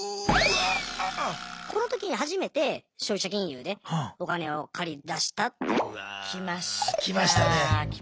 この時に初めて消費者金融でお金を借りだしたっていう。